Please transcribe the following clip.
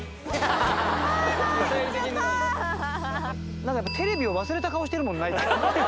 なんかテレビを忘れた顔してるもんな、あいつ。